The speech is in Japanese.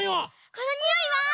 このにおいは？